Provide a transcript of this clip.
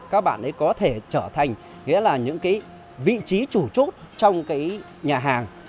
các bạn ấy có thể trở thành những vị trí chủ trúc trong nhà hàng